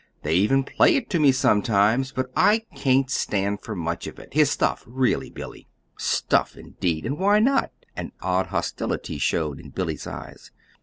They even play it to me sometimes. But I can't stand for much of it his stuff really, Billy." "'Stuff' indeed! And why not?" An odd hostility showed in Billy's eyes.